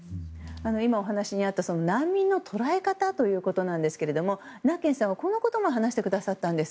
お話にあった難民の捉え方ということですがナッケンさんはこんなことも話してくれたんです。